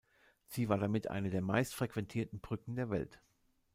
Sie war damit eine der meist frequentierten Brücken der Welt.